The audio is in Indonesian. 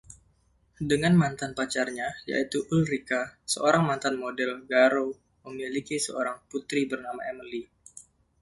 Dengan mantan pacarnya, yaitu Ulrika, seorang mantan model, Garou memiliki seorang putri bernama Emelie,